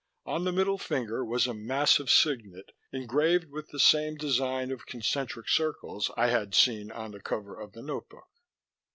On the middle finger was a massive signet, engraved with the same design of concentric circles I had seen on the cover of the notebook.